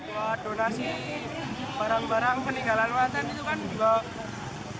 buat donasi barang barang peninggalan waten itu kan juga